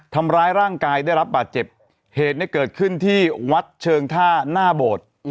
ทำร้ายร่างกายได้รับบาดเจ็บเหตุเนี่ยเกิดขึ้นที่วัดเชิงท่าหน้าโบสถ์